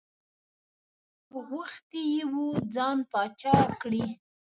غوښتي یې وو ځان پاچا کړي.